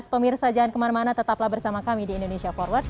pemirsa jangan kemana mana tetaplah bersama kami di indonesia forward